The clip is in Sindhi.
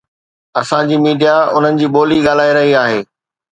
اسان جي ميڊيا انهن جي ٻولي ڳالهائي رهي آهي.